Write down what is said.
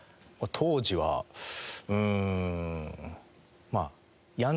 当時はうーん。